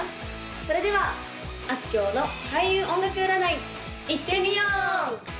それではあすきょうの開運音楽占いいってみよう！